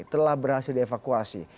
telah berhasil dievakuasi